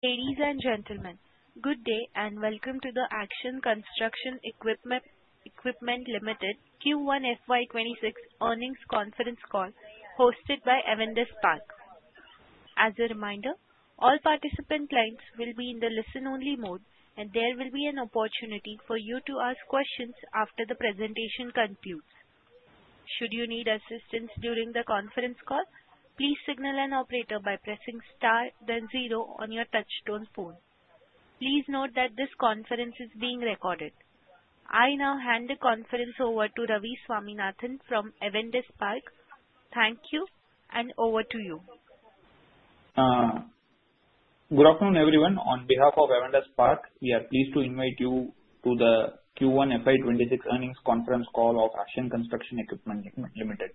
Ladies and gentlemen, good day and welcome to the Action Construction Equipment Limited Q1 FY 2026 Earnings Conference Call hosted by Avindesh Parks. As a reminder, all participant lines will be in the listen-only mode, and there will be an opportunity for you to ask questions after the presentation concludes. Should you need assistance during the conference call, please signal an operator by pressing star then zero on your touch-tone phone. Please note that this conference is being recorded. I now hand the conference over to Ravi Swaminathan from Avindesh Parks. Thank you, and over to you. Good afternoon, everyone. On behalf of Avindesh Parks, we are pleased to invite you to the Q1 FY 2026 earnings conference call of Action Construction Equipment Limited.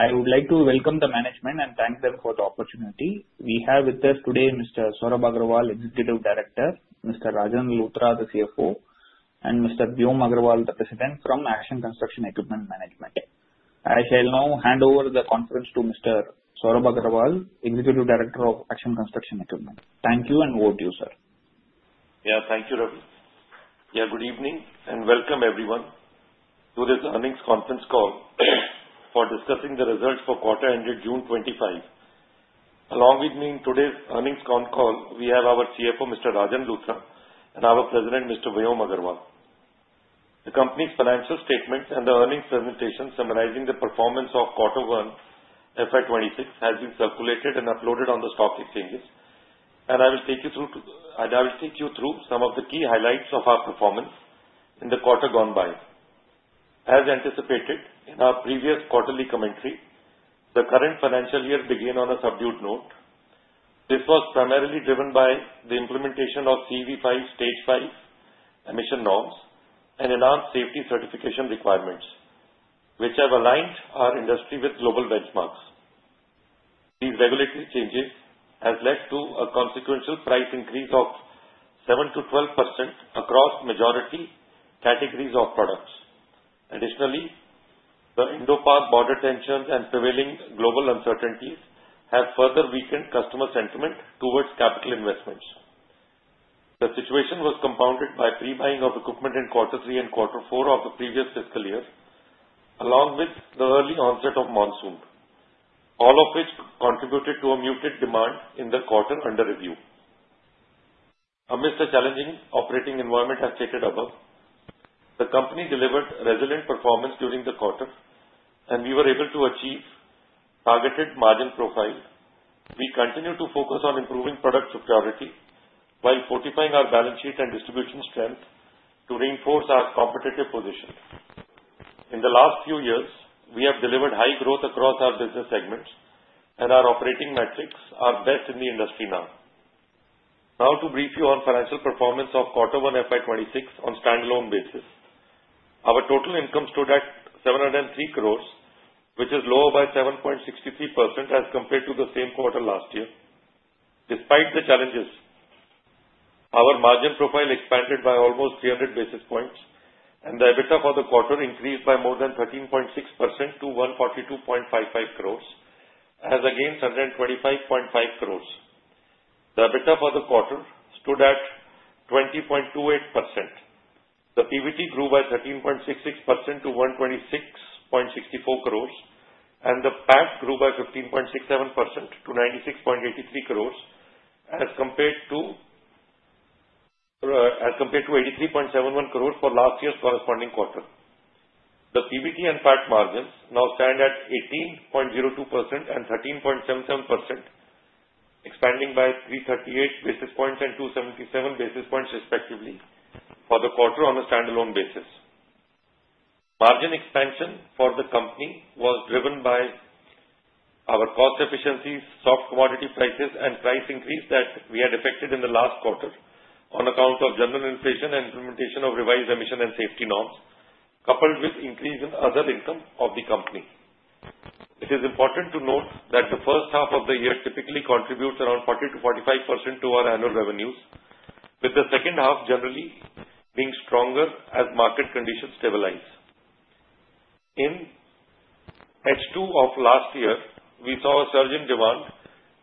I would like to welcome the management and thank them for the opportunity. We have with us today Mr. Sorab Agarwal, Executive Director, Mr. Rajan Luthra, the CFO, and Mr. Vyom Agarwal, the President from Action Construction Equipment management. I shall now hand over the conference to Mr. Sorab Agarwal, Executive Director of Action Construction Equipment. Thank you and over to you, sir. Yeah, thank you, Ravi. Yeah, good evening and welcome, everyone, to this earnings conference call for discussing the results for quarter ended June 2025. Along with me in today's earnings conference call, we have our CFO, Mr. Rajan Luthra, and our President, Mr. Vyom Agarwal. The company's financial statements and the earnings presentation summarizing the performance of quarter one FY 2026 has been circulated and uploaded on the stock exchanges, and I will take you through some of the key highlights of our performance in the quarter gone by. As anticipated in our previous quarterly commentary, the current financial year began on a subdued note. This was primarily driven by the implementation of CEV Stage V/BS V emission norms and enhanced safety certification requirements, which have aligned our industry with global benchmarks. These regulatory changes have led to a consequential price increase of 7% to 12% across majority categories of products. Additionally, the Indo-Pak border tensions and prevailing global uncertainties have further weakened customer sentiment towards capital investments. The situation was compounded by pre-buying of equipment in quarter three and quarter four of the previous fiscal year, along with the early onset of monsoon, all of which contributed to a muted demand in the quarter under review. Amidst a challenging operating environment, as stated above, the company delivered resilient performance during the quarter, and we were able to achieve targeted margin profile. We continue to focus on improving product superiority by fortifying our balance sheet and distribution strength to reinforce our competitive position. In the last few years, we have delivered high growth across our business segments, and our operating metrics are best in the industry now. Now, to brief you on financial performance of quarter one FY 2026 on a standalone basis, our total income stood at 703 crore, which is lower by 7.63% as compared to the same quarter last year. Despite the challenges, our margin profile expanded by almost 300 basis points, and the EBITDA for the quarter increased by more than 13.6% to 142.55 crore, as against 125.5 crore. The EBITDA for the quarter stood at 20.28%. The PBT grew by 13.66% to 126.64 crore, and the PAT grew by 15.67% to 96.83 crore, as compared to 83.71 crore for last year's corresponding quarter. The PVT and PAC margins now stand at 18.02% and 13.77%, expanding by 338 basis points and 277 basis points, respectively, for the quarter on a standalone basis. Margin expansion for the company was driven by our cost efficiencies, soft commodity prices, and price increase that we had effected in the last quarter on account of general inflation and implementation of revised emission and safety norms, coupled with increase in other income of the company. It is important to note that the first half of the year typically contributes around 40%-45% to our annual revenues, with the second half generally being stronger as market conditions stabilize. In H2 of last year, we saw a surge in demand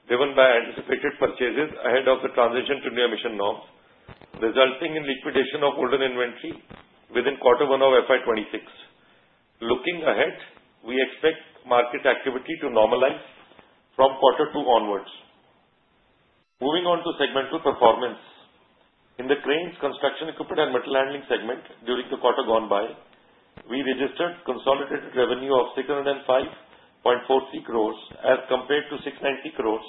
driven by anticipated purchases ahead of the transition to new emission norms, resulting in liquidation of older inventory within quarter one of FY 2026. Looking ahead, we expect market activity to normalize from quarter two onwards. Moving on to segmental performance, in the cranes, construction equipment, and material handling segment, during the quarter gone by, we registered consolidated revenue of 605.43 crores as compared to 690 crores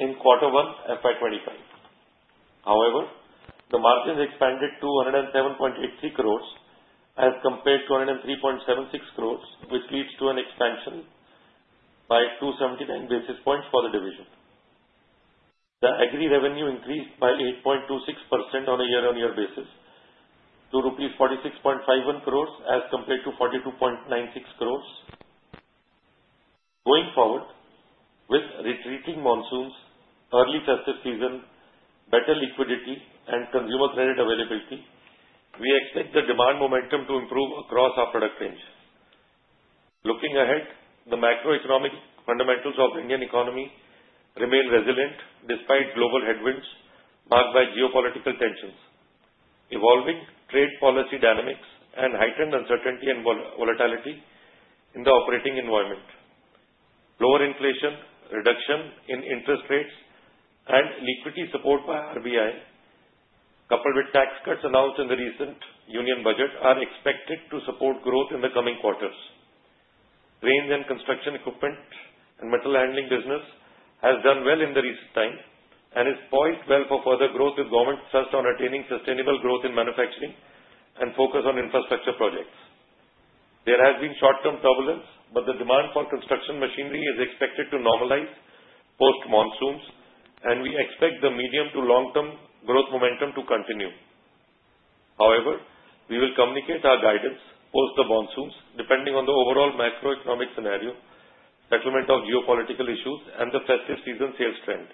in quarter one FY 2025. However, the margin expanded to 107.83 crores as compared to 103.76 crores, which leads to an expansion by 279 basis points for the division. The aggregate revenue increased by 8.26% on a year-on-year basis to rupees 46.51 crores as compared to 42.96 crores. Going forward, with retreating monsoons, early festive season, better liquidity, and consumer credit availability, we expect the demand momentum to improve across our product range. Looking ahead, the macroeconomic fundamentals of the Indian economy remain resilient despite global headwinds marked by geopolitical tensions, evolving trade policy dynamics, and heightened uncertainty and volatility in the operating environment. Lower inflation, reduction in interest rates, and liquidity support by RBI, coupled with tax cuts announced in the recent union budget, are expected to support growth in the coming quarters. Cranes and construction equipment and material handling business have done well in the recent time and have poised well for further growth if government's thrust on attaining sustainable growth in manufacturing and focus on infrastructure projects. There has been short-term turbulence, but the demand for construction machinery is expected to normalize post-monsoons, and we expect the medium to long-term growth momentum to continue. However, we will communicate our guidance post the monsoons depending on the overall macroeconomic scenario, settlement of geopolitical issues, and the festive season sales trend.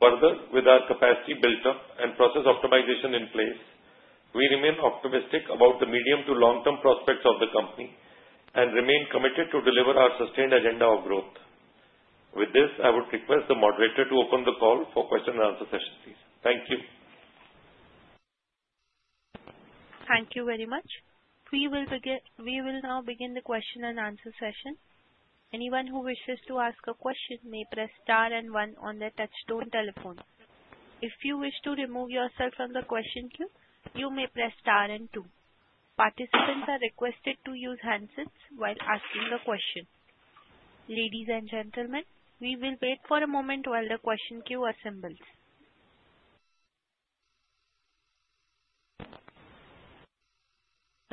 Further, with our capacity built up and process optimization in place, we remain optimistic about the medium to long-term prospects of the company and remain committed to deliver our sustained agenda of growth. With this, I would request the moderator to open the call for question and answer sessions, please. Thank you. Thank you very much. We will begin. We will now begin the question and answer session. Anyone who wishes to ask a question may press star and one on their touchstone telephone. If you wish to remove yourself from the question queue, you may press star and two. Participants are requested to use handsets while asking the question. Ladies and gentlemen, we will wait for a moment while the question queue assembles.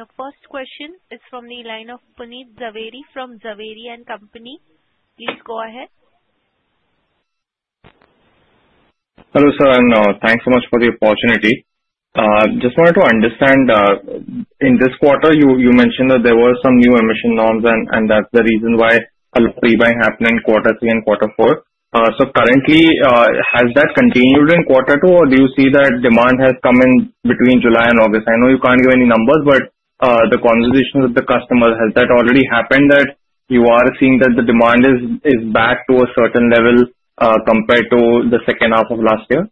The first question is from the line of Puneet Javeri from Zaveri and Company. Please go ahead. Hello, sir, and thanks so much for the opportunity. I just wanted to understand, in this quarter, you mentioned that there were some new emission norms and that the reason why a pre-buy happened in quarter three and quarter four. Currently, has that continued in quarter two, or do you see that demand has come in between July and August? I know you can't give any numbers, but the consolidation of the customers, has that already happened that you are seeing that the demand is back to a certain level compared to the second half of last year?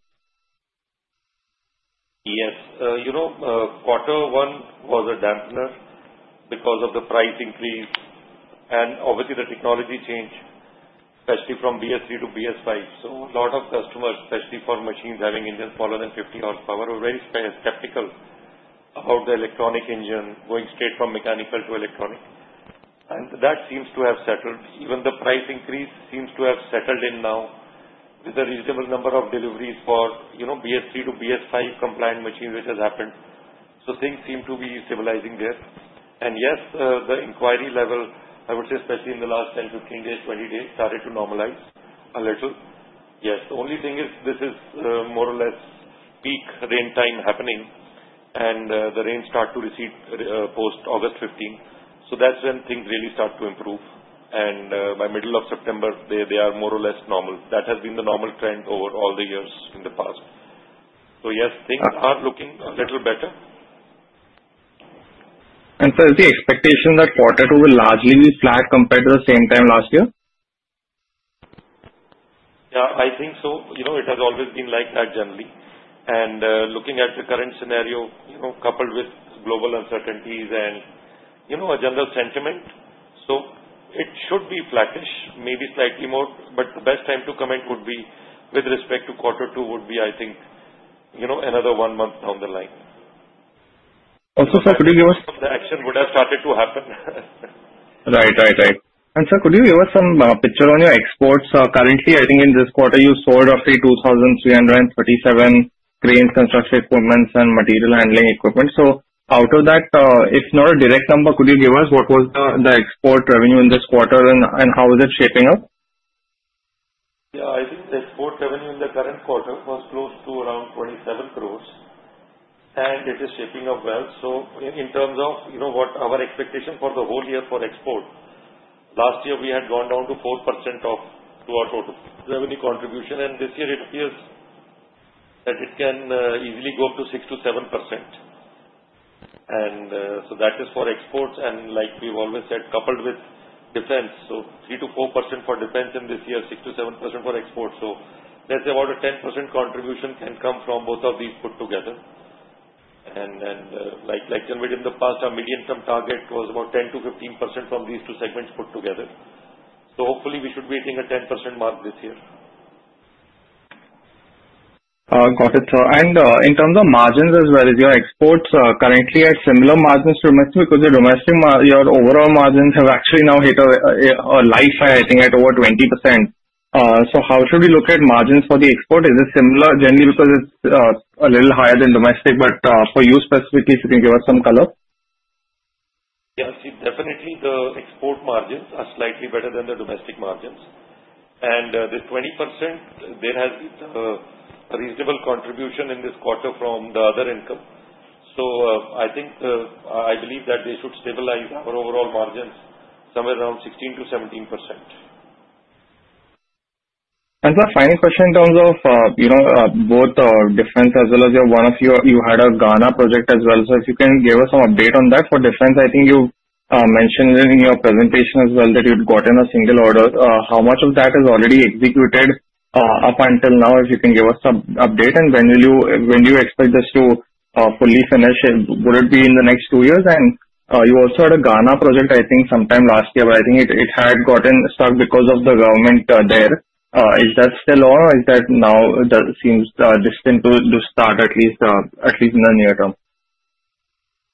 Yes, you know, quarter one was a dampener because of the price increase and obviously the technology change, especially from BS3 to BS5. A lot of customers, especially for machines having engines powered on 50 horsepower, were very skeptical of the electronic engine going straight from mechanical to electronic. That seems to have settled. Even the price increase seems to have settled in now with a reasonable number of deliveries for BS3 to BS5 compliant machines, which has happened. Things seem to be stabilizing there. Yes, the inquiry level, I would say, especially in the last 10 days, 15 days, 20 days, started to normalize a little. The only thing is this is more or less peak rain time happening, and the rain starts to recede post August 15. That's when things really start to improve. By the middle of September, they are more or less normal. That has been the normal trend over all the years in the past. Yes, things are looking a little better. Is the expectation that quarter two will largely be flat compared to the same time last year? Yeah, I think so. It has always been like that generally. Looking at the current scenario, coupled with global uncertainties and a general sentiment, it should be flattish, maybe slightly more. The best time to comment with respect to quarter two would be, I think, another one month down the line. Sir, could you give us? The action would have started to happen. Right. Sir, could you give us some picture on your exports currency? I think in this quarter you sold roughly 2,337 cranes, construction equipment, and material handling equipment. Out of that, if not a direct number, could you give us what was the export revenue in this quarter and how is it shaping up? Yeah, I think the export revenue in the current quarter was close to around 27 crore, and it is shaping up well. In terms of what our expectation for the whole year for export, last year we had gone down to 4% of our total revenue contribution, and this year it appears that it can easily go up to 6%-7%. That is for exports, and like we've always said, coupled with defense, 3%-4% for defense in this year, 6%-7% for exports. That's about a 10% contribution that can come from both of these put together. Like in the past, our medium-term target was about 10%-15% from these two segments put together. Hopefully we should be hitting a 10% mark this year. Got it, sir. In terms of margins as well, is your exports currently at similar margins to domestic? Your domestic, your overall margins have actually now hit a higher, I think, at over 20%. How should we look at margins for the export? Is it similar generally because it's a little higher than domestic, but for you specifically, if you can give us some color? Yeah, see, definitely the export margins are slightly better than the domestic margins. The 20%, there has been a reasonable contribution in this quarter from the other income. I think I believe that they should stabilize our overall margins somewhere around 16%-17%. Sir, final question in terms of both defense as well as your Ghana project as well. If you can give us an update on that for defense, I think you mentioned in your presentation as well that you'd gotten a single order. How much of that is already executed up until now? If you can give us an update and when do you expect this to fully finish? Would it be in the next two years? You also had a Ghana project, I think, sometime last year, but I think it had gotten stuck because of the government there. Is that still on or is that now it seems distant to start at least in the near term?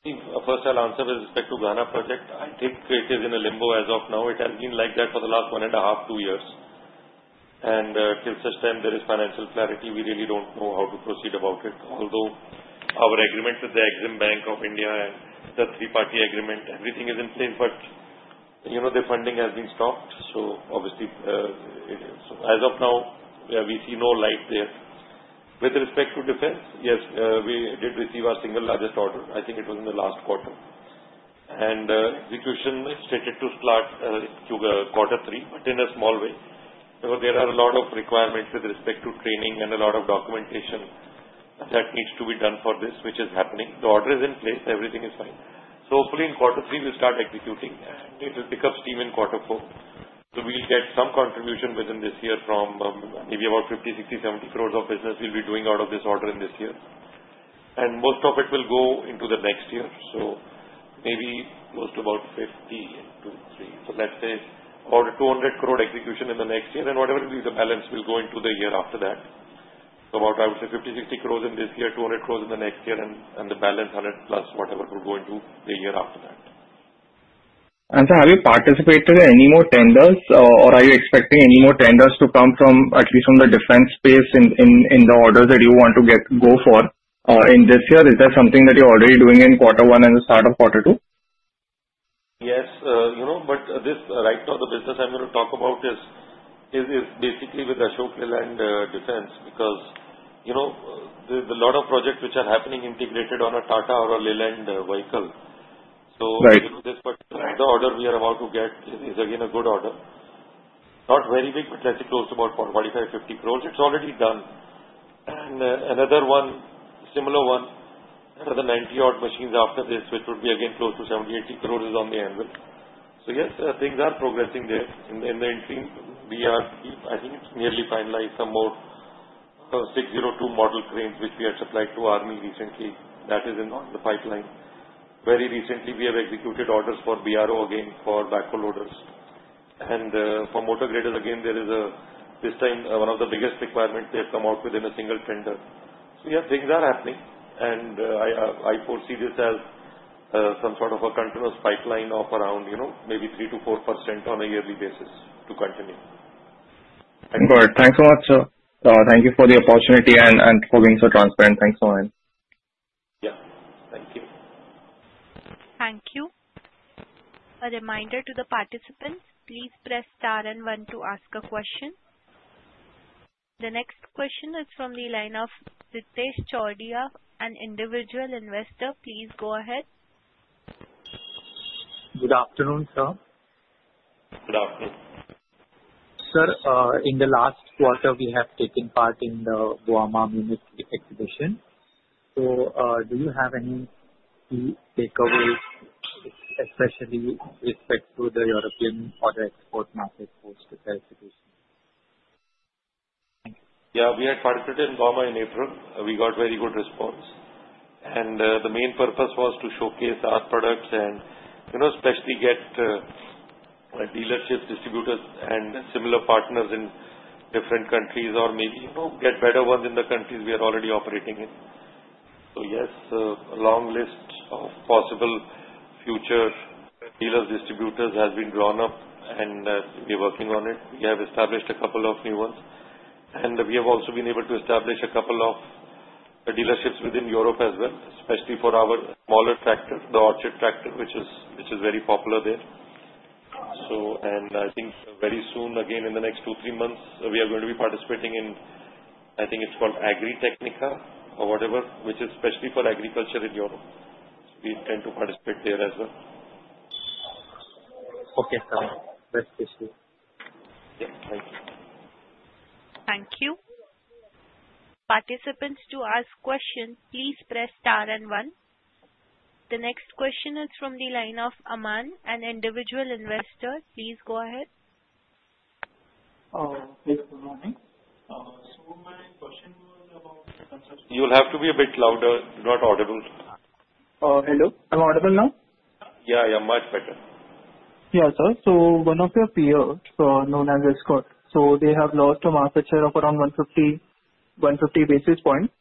See, a personal answer with respect to the Ghana project, I think it is in a limbo as of now. It has been like that for the last one and a half, two years. Since this time, there is financial clarity. We really don't know how to proceed about it. Although our agreements with the Exim Bank of India and the three-party agreement, everything is in sync, but you know, the funding has been stopped. Obviously, as of now, we see no light there. With respect to defense, yes, we did receive our single largest order. I think it was in the last quarter. The execution is slated to start in quarter three, but in a small way, because there are a lot of requirements with respect to training and a lot of documentation that needs to be done for this, which is happening. The order is in place. Everything is fine. Hopefully in quarter three, we'll start executing. It will pick up steam in quarter four. We'll get some contribution within this year from maybe about 50 crore, 60 crore, 70 crore of business we'll be doing out of this order in this year. Most of it will go into the next year. Maybe close to about 50 crore into three. Let's say about an 200 crore execution in the next year. Whatever will be the balance will go into the year after that. About, I would say, 50 crore, 60 crore in this year, 200 crore in the next year, and the balance 100 plus, whatever will go into the year after that. Sir, have you participated in any more tenders, or are you expecting any more tenders to come at least from the defense space in the orders that you want to go for in this year? Is that something that you're already doing in quarter one and the start of quarter two? Yes, you know, this right now, the business I'm going to talk about is basically with Ashok Leyland Defense because, you know, there's a lot of projects which are happening integrated on a Tata or a Leyland vehicle. This particular order we are about to get is again a good order, not very big, but let's say close to about 45 crore-INR50 crore. It's already done. Another one, similar one, for the 90-odd machines after this, which would be again close to 70 crore-80 crore, is on the annuals. Yes, things are progressing there. In the interim, I think it's nearly finalized, some more 602 model cranes, which we had supplied to Army recently. That is in the pipeline. Very recently, we have executed orders for BRO again for backhoe loaders. For motor graders, again, there is this time one of the biggest requirements they've come up with in a single tender. Things are happening, and I foresee this as some sort of a continuous pipeline of around maybe 3%-4% on a yearly basis to continue. Excellent. Thanks so much, sir. Thank you for the opportunity and for being so transparent. Thanks so much. Yeah, thank you. Thank you. A reminder to the participants, please press star and one to ask a question. The next question is from the line of Sitesh Choordia, an individual investor. Please go ahead. Good afternoon, sir. Good afternoon. Sir, in the last quarter, we have taken part in the Guam Amunis exhibition. Do you have any key takeaways, especially with respect to the European auto export markets hosted by ACE? Yeah, we had partnered in Guam in April. We got very good response. The main purpose was to showcase our products and, you know, especially get dealerships, distributors, and similar partners in different countries, or maybe, you know, get better ones in the countries we are already operating in. Yes, a long list of possible future dealers, distributors has been drawn up, and we're working on it. We have established a couple of new ones. We have also been able to establish a couple of dealerships within Europe as well, especially for our smaller tractor, the Orchid tractor, which is very popular there. I think very soon, again, in the next two, three months, we are going to be participating in, I think it's called Agritechnica or whatever, which is especially for agriculture in Europe. We intend to participate there as well. Okay, sir. That's the issue. Thank you. Participants, to ask questions, please press star and one. The next question is from the line of Aman, an individual investor. Please go ahead. You'll have to be a bit louder, not audible. Hello, I'm audible now? Yeah, much better. Yeah, sir. One of your peers, known as Escorts, they have lost a market share of around 150 basis points.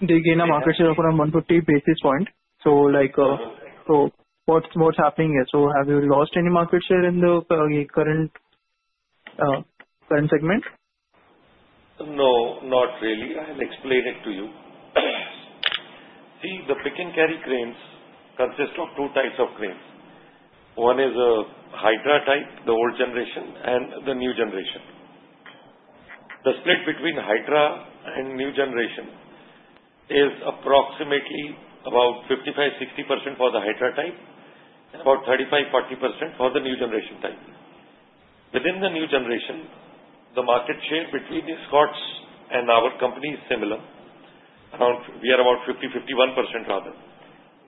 They gained a market share of around 150 basis points. What's happening here? Have you lost any market share in the current segment? No, not really. I'll explain it to you. See, the pick and carry cranes consist of two types of cranes. One is a Hydra type, the old generation, and the new generation. The split between Hydra and new generation is approximately about 55%-60% for the Hydra type and about 35%-40% for the new generation type. Within the new generation, the market share between Escorts and our company is similar. Around, we are about 50%-51% rather.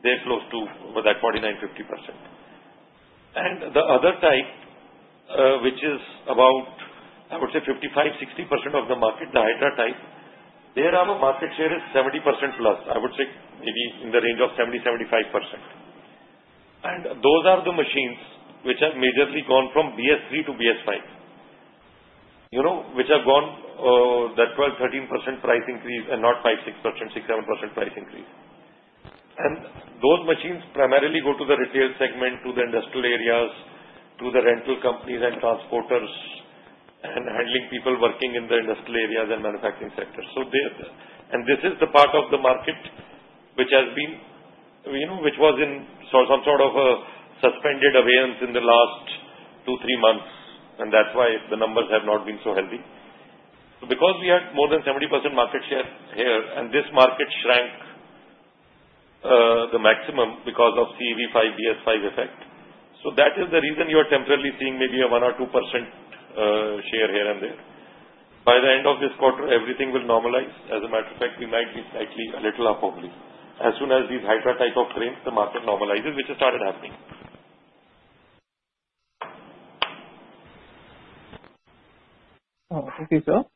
They're close to about 49%-50%. The other type, which is about, I would say, 55%-60% of the market, the Hydra type, their market share is 70%+. I would say maybe in the range of 70%-75%. Those are the machines which have majorly gone from BS3 to BS5, you know, which have gone that 12%-13% price increase and not 5%-6%, 6%-7% price increase. Those machines primarily go to the retail segment, to the industrial areas, to the rental companies and transporters and handling people working in the industrial areas and manufacturing sectors. This is the part of the market which has been, you know, which was in some sort of a suspended avalanche in the last two, three months. That's why the numbers have not been so healthy. We had more than 70% market share here and this market shrank the maximum because of CEV Stage V/BS V effect. That is the reason you are temporarily seeing maybe a 1% or 2% share here and there. By the end of this quarter, everything will normalize. As a matter of fact, we might be slightly a little up only. As soon as these Hydra type of cranes, the market normalizes, which has started happening. Okay, sir.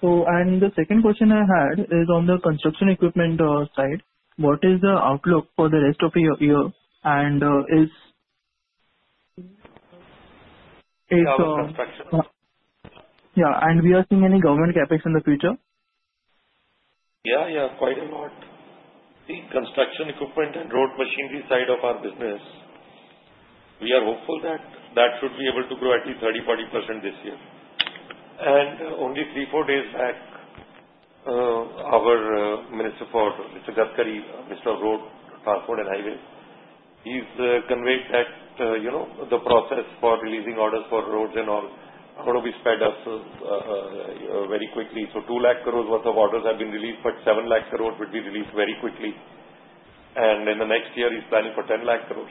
The second question I had is on the construction equipment side. What is the outlook for the rest of the year? Is. Yeah. Are we seeing any government CAPEX in the future? Yeah, quite a lot. See, construction equipment and road machinery side of our business, we are hopeful that that should be able to grow at least 30%-40% this year. Only three or four days back, our Minister for Road, Transport and Highways, Mr. Gadkari, conveyed that the process for releasing orders for roads and all are going to be sped up very quickly. 2 lakh crore worth of orders have been released, but 7 lakh crore will be released very quickly. In the next year, he's planning for 10 lakh crore.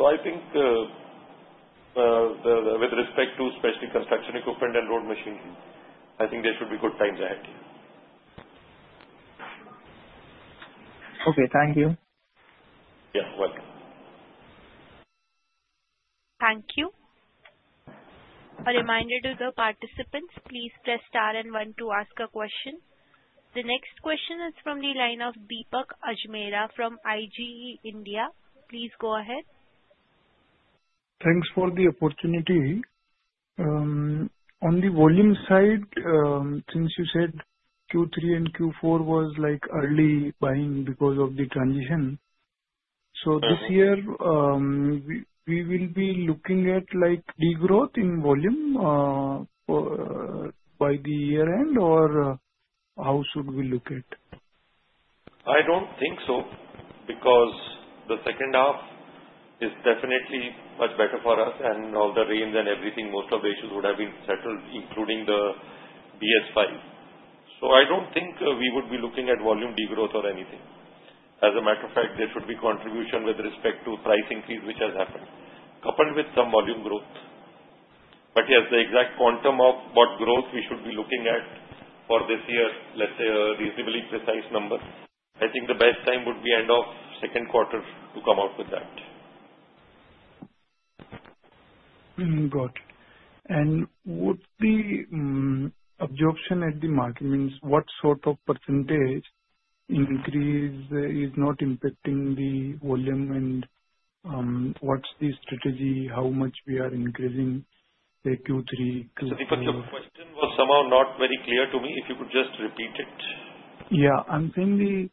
I think with respect to especially construction equipment and road machinery, there should be good times ahead. Okay, thank you. Yeah, welcome. Thank you. A reminder to the participants, please press star and one to ask a question. The next question is from the line of Deepak Ajmera from IGE India. Please go ahead. Thanks for the opportunity. On the volume side, since you said Q3 and Q4 was like early buying because of the transition, this year we will be looking at like degrowth in volume by the year end, or how should we look at it? I don't think so because the second half is definitely much better for us and all the rains and everything. Most of the issues would have been settled, including the CEV Stage V/BS V emission norms. I don't think we would be looking at volume degrowth or anything. As a matter of fact, there should be contribution with respect to price increases, which has happened, coupled with some volume growth. Yes, the exact quantum of what growth we should be looking at for this year, let's say a reasonably precise number. I think the best time would be end of second quarter to come out with that. Got it. What's the absorption at the market? Means what sort of percentage increase is not impacting the volume, and what's the strategy, how much are we increasing in Q3? The question was somehow not very clear to me. If you could just repeat it. I'm saying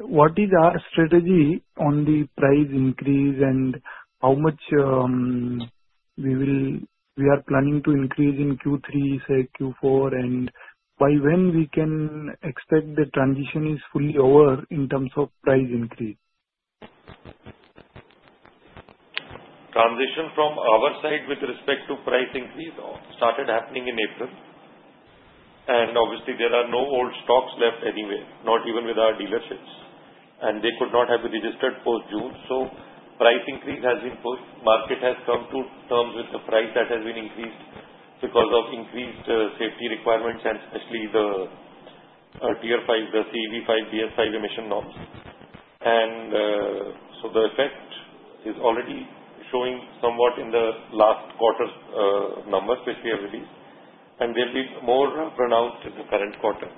what is our strategy on the price increase, and how much we are planning to increase in Q3, Q4, and by when we can expect the transition is fully over in terms of price increase? Transition from our side with respect to price increase started happening in April. Obviously, there are no old stocks left anywhere, not even with our dealerships. They could not have been registered post-June. Price increase has been pushed. Market has come to terms with the price that has been increased because of increased safety requirements and especially the TR5, the CEV Stage V/BS V emission norms. The effect is already showing somewhat in the last quarter's number, which we have released. They'll be more pronounced in the current quarter.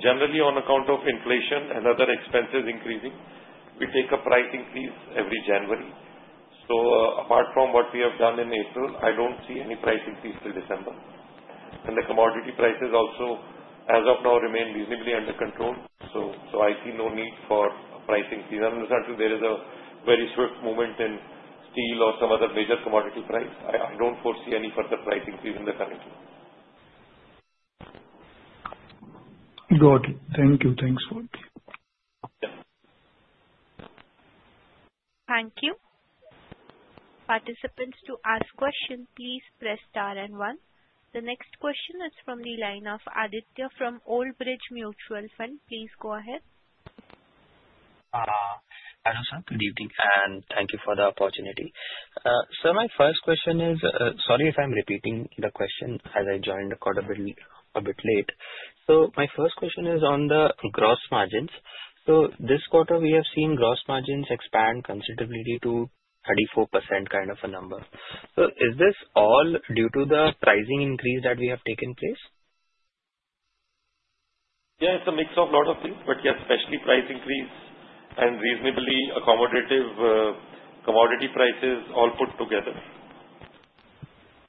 Generally, on account of inflation and other expenses increasing, we take a price increase every January. Apart from what we have done in April, I don't see any price increase till December. The commodity prices also, as of now, remain reasonably under control. I see no need for price increase. If there is a very swift movement in steel or some other major commodity price, I don't foresee any further price increase in the currency. Got it. Thank you. Thanks for it. Thank you. Participants, to ask questions, please press star and one. The next question is from the line of Aditya from Old Bridge Mutual Fund. Please go ahead. Hello, sir. Good evening and thank you for the opportunity. Sir, my first question is, sorry if I'm repeating the question as I joined the call a bit late. My first question is on the gross margins. This quarter we have seen gross margins expand considerably to 34% kind of a number. Is this all due to the price increase that we have taken place? Yeah, it's a mix of a lot of things, but yes, especially price increase and reasonably accommodative commodity prices all put together.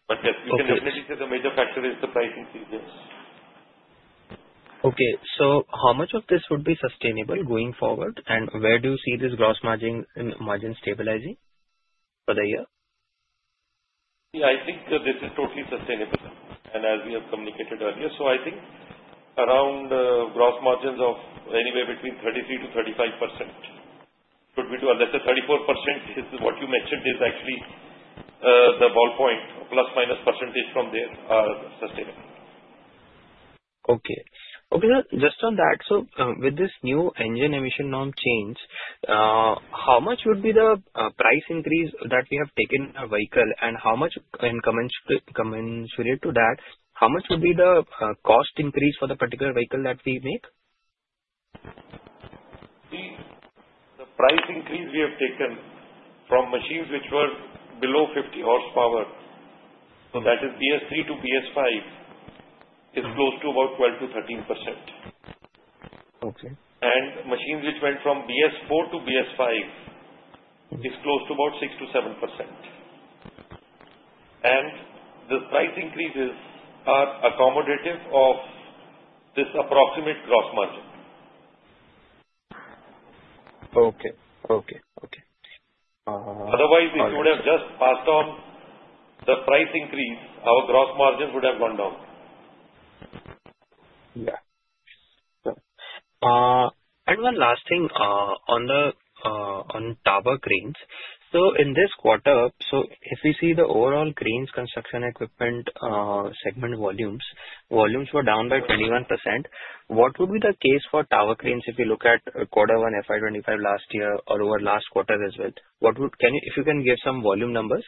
You can definitely say the major factor is the price increase, yes. Okay, how much of this would be sustainable going forward, and where do you see this gross margin stabilizing for the year? Yeah, I think this is totally sustainable. As we have communicated earlier, I think around gross margins of anywhere between 33%-35% should be, let's say, 34% is what you mentioned, is actually the ballpoint plus minus percentage from there, are sustainable. Okay, sir, just on that. With this new engine emission norm change, how much would be the price increase that we have taken a vehicle, and commensurate to that, how much would be the cost increase for the particular vehicle that we make? See, the price increase we have taken for machines which were below 50 horsepower, that is BS3 to CEV Stage V/BS V, is close to about 12%-13%. Okay. The machines which went from BS4 to BS5 is close to about 6%-7%. The price increases are accommodative of this approximate gross margin. Okay, okay, okay. Otherwise, if you would have just part of the price increase, our gross margin would have gone down there. Yeah. One last thing on the tower cranes. In this quarter, if we see the overall cranes construction equipment segment volumes, volumes were down by 21%. What would be the case for tower cranes if you look at quarter one FY 2025 last year or over last quarter as well? If you can give some volume numbers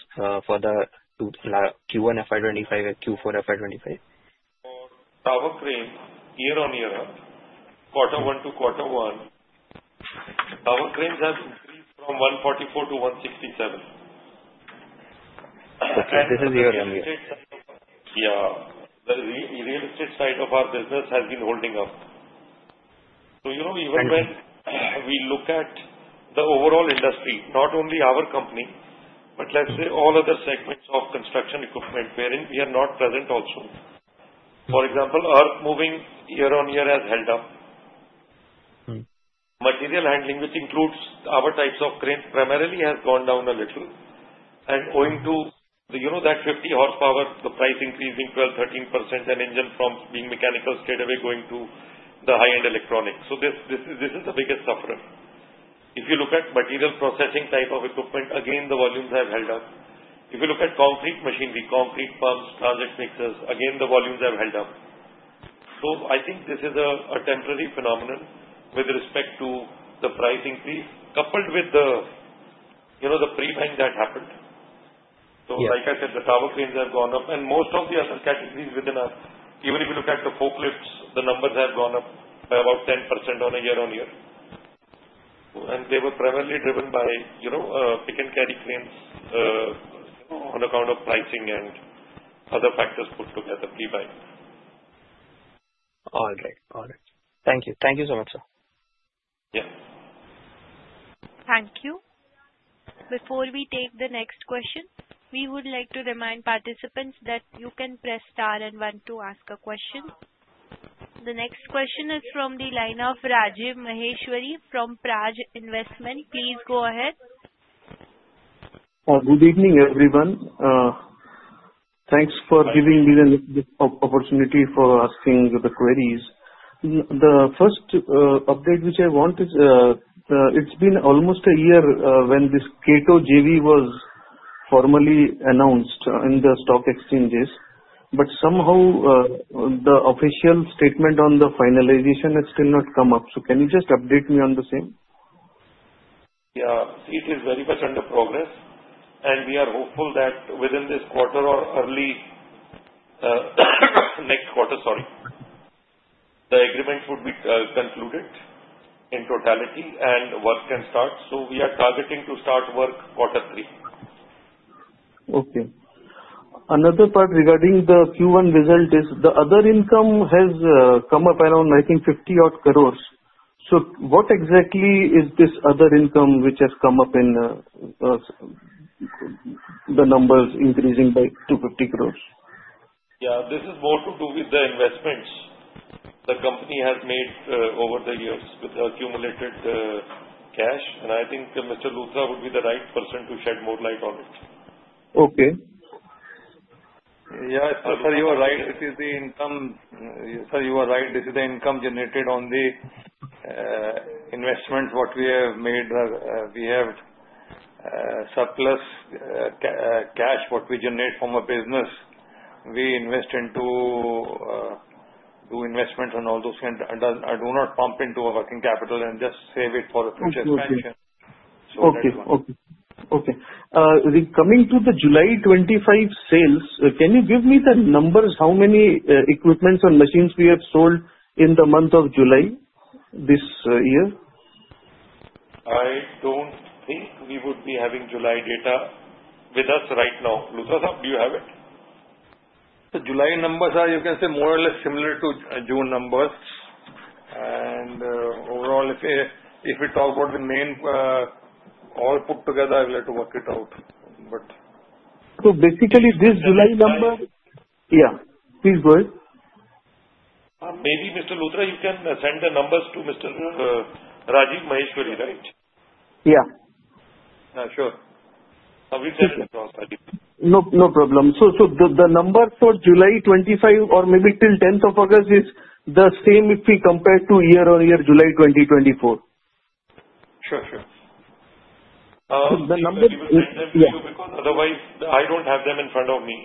for the Q1 FY 2025 and Q4 FY 2025? For tower cranes year on year, quarter one to quarter one, tower cranes have increased from 144 to 167. Sir, this is your younger. Yeah, the real estate side of our business has been holding up. Even when we look at the overall industry, not only our company, but let's say all other segments of construction equipment, we are not present also. For example, earth moving year on year has held up. Material handling, which includes our types of cranes, primarily has gone down a little, owing to that 50 horsepower, the price increasing 12%, 13% and engine from being mechanical straight away going to the high-end electronics. This is the biggest sufferer. If you look at material processing type of equipment, again, the volumes have held up. If you look at concrete machinery, concrete pumps, transit mixers, again, the volumes have held up. I think this is a temporary phenomenon with respect to the price increase, coupled with the pre-buying that happened. Like I said, the tower cranes have gone up and most of the other categories within us, even if you look at the forklifts, the numbers have gone up by about 10% on a year on year. They were primarily driven by pick and carry cranes on account of pricing and other factors put together, pre-buy. All right. Thank you. Thank you so much, sir. Yeah. Thank you. Before we take the next question, we would like to remind participants that you can press star and one to ask a question. The next question is from the line of Rajeev Maheshwari from Praj Investment. Please go ahead. Good evening, everyone. Thanks for giving me the opportunity for asking the queries. The first update which I want is, it's been almost a year when this CATO JV was formally announced in the stock exchanges, but somehow the official statement on the finalization has still not come up. Can you just update me on the same? Yeah, see, it is very much under progress. We are hopeful that within this quarter or early next quarter, the agreements would be concluded in totality and work can start. We are targeting to start work quarter three. Okay. Another thought regarding the Q1 result is the other income has come up around 1,950 crore. What exactly is this other income which has come up in the numbers increasing by 250 crore? Yeah, this is more to do with the investments the company has made over the years with the accumulated cash. I think Mr. Luthra would be the right person to shed more light on it. Okay. Yes, sir, you are right. It is the income. Sir, you are right. This is the income generated on the investments. We have surplus cash. What we generate from a business, we invest into investments and all those things. I do not pump into working capital and just save it for a future expansion. Okay. Coming to the July 25 sales, can you give me the numbers? How many equipments and machines we have sold in the month of July this year? I don't think we would be having July data with us right now. Luthra sir, do you have it? The July numbers are, you can say, more or less similar to June numbers. Overall, if we talk about the main all put together, I'll let you work it out. Basically, this July number, yeah, please go ahead. Maybe Mr. Luthra, you can send the numbers to Mr. Rajiv Maheshwari, right? Yeah. Yeah, sure. I'll resend it to all parties. No problem. The number for July 25 or maybe till 10th of August is the same if we compare to year on year, July 2024. Sure, sure. The number. I'll give it to you because otherwise I don't have them in front of me.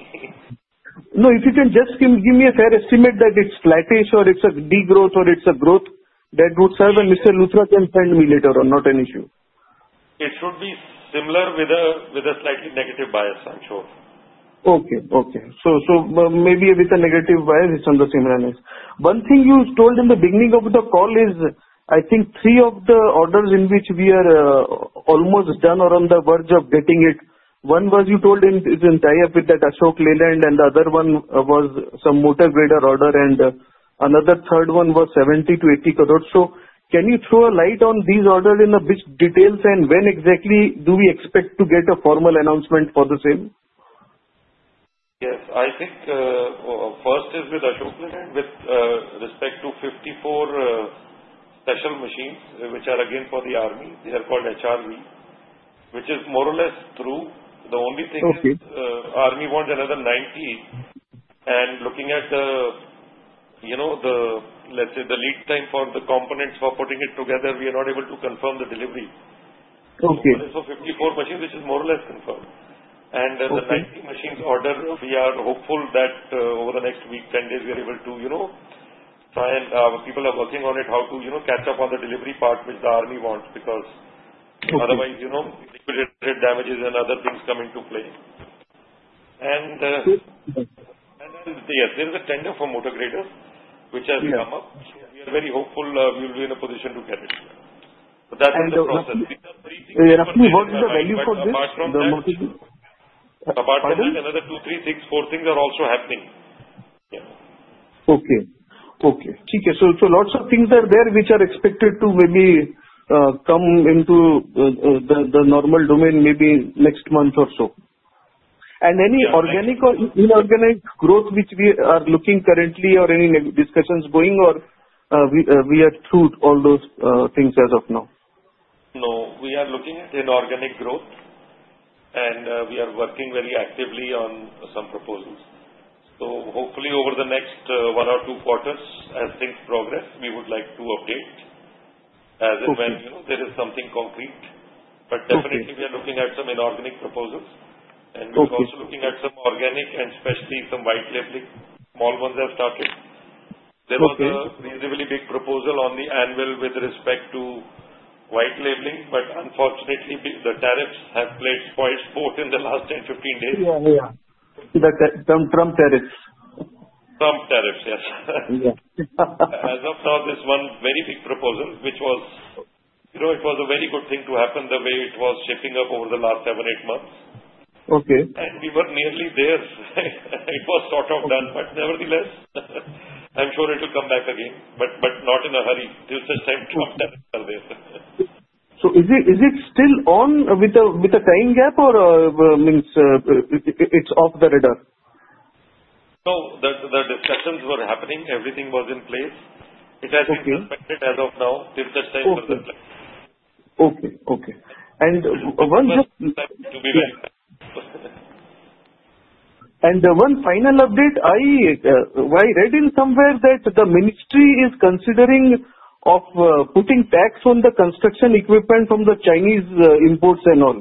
No, if you can just give me a fair estimate that it's flattish or it's a degrowth or it's a growth, that would serve, and Mr. Luthra can send me later on. Not an issue. It should be similar, with a slightly negative bias, I'm sure. Okay. Maybe with a negative bias, it's on the similar list. One thing you told in the beginning of the call is, I think, three of the orders in which we are almost done or on the verge of getting it. One was you told in this entire with that Ashok Leyland and the other one was some motor grader order and another third one was 70 crore-80 crore. Can you throw a light on these orders in the details and when exactly do we expect to get a formal announcement for the same? Yes, I think first is with Ashok Leyland with respect to 54 special machines, which are again for the Army. They are called HRV, which is more or less through. The only thing is the Army wants another 90. Looking at the lead time for the components for putting it together, we are not able to confirm the delivery. Okay. Fifty-four machines, which is more or less confirmed. The ninety machines order, we are hopeful that over the next week, 10 days, we are able to try and people are working on it, how to catch up on the delivery part, which the Army wants because otherwise, damages and other things come into play. Yes, there is a tender for motor grader, which has come up. We are very hopeful we will be in a position to get it. is the value for this? Apart from another two, three, six, four things are also happening. Okay. Lots of things are there, which are expected to maybe come into the normal domain maybe next month or so. Any organic or inorganic growth, which we are looking currently or any discussions going or we have through all those things as of now? No, we are looking at inorganic growth. We are working very actively on some proposals. Hopefully, over the next one or two quarters, as things progress, we would like to update as and when there is something concrete. We are definitely looking at some inorganic proposals. We are also looking at some organic and especially some white labeling. Small ones have started. There was a reasonably big proposal on the annual with respect to white labeling, but unfortunately, the tariffs have played quite a sport in the last 10 days, 15 days. Yeah, the Trump tariffs. Trump tariffs, yes. Yeah. As of now, this one very big proposal, which was, you know, it was a very good thing to happen the way it was shaping up over the last seven, eight months. Okay. We were nearly there. It was sort of done, nevertheless, I'm sure it'll come back again, not in a hurry. Till such time, Trump tariffs are there. Is it still on with a time gap, or means it's off the radar? No, the discussions were happening. Everything was in place. It has been expected as of now, till such time for the. Okay. And one just. To be very. One final update. I read somewhere that the ministry is considering putting tax on the construction equipment from the Chinese imports and all.